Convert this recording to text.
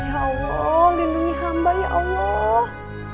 ya allah lindungi hamba ya allah